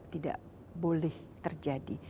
tidak boleh terjadi